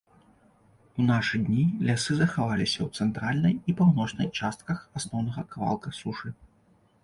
У нашы дні лясы захаваліся ў цэнтральнай і паўночнай частках асноўнага кавалка сушы.